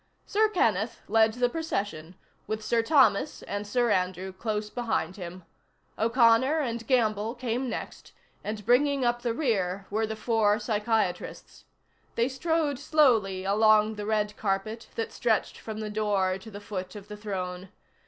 Sir Kenneth led the procession, with Sir Thomas and Sir Andrew close behind him. O'Connor and Gamble came next, and bringing up the rear were the four psychiatrists. They strode slowly along the red carpet that stretched from the door to the foot of the throne.